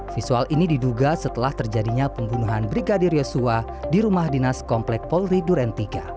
visual ini diduga setelah terjadinya pembunuhan brigadir yosua di rumah dinas komplek polri duren tiga